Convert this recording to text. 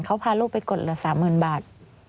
เขาพาลูกไปกดเหลือ๓๐๐๐บาท